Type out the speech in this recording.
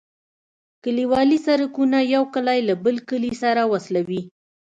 کليوالي سرکونه یو کلی له بل کلي سره وصلوي